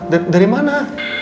ma dari mana